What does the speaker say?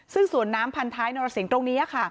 ซึ่งสวนน้ำพันท้ายนรสิงห์ตรงนี้ค่ะ